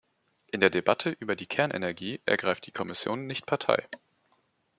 In der Debatte über die Kernenergie ergreift die Kommission nicht Partei.